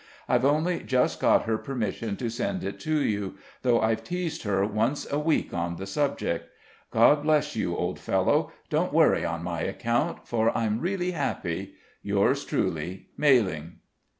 I've only just got her permission to send it to you, though I've teased her once a week on the subject. God bless you, old fellow. Don't worry on my account, for I'm really happy. Yours truly, "MALLING."